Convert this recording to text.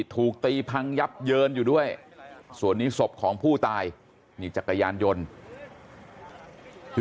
ถูกตีพังยับเยินอยู่ด้วยส่วนนี้ศพของผู้ตายนี่จักรยานยนต์คือ